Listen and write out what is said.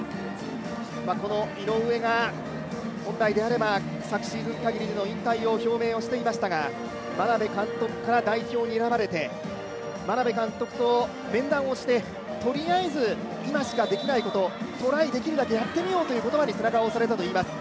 この井上が本来であれば、昨シーズンかぎりでの引退を表明していましたが眞鍋監督から代表に選ばれて眞鍋監督と面談をして、とりあえず今しかできないこと、トライできるだけやってみようという言葉に背中を押されたといいます。